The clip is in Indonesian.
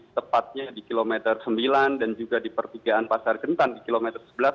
tepatnya di kilometer sembilan dan juga di pertigaan pasar kentan di kilometer sebelas